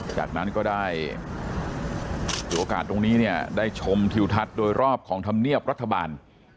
จากนั้นก็ได้ถือโอกาสตรงนี้เนี่ยได้ชมทิวทัศน์โดยรอบของธรรมเนียบรัฐบาล